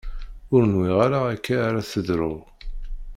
Ur nwiɣ ara akka ara teḍru.